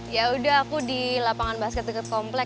ya udah aku di lapangan basket dekat komplek